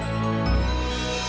aku mau menyelesaikan semuanya